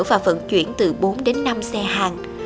và phận chuyển từ bốn đến năm xe hàng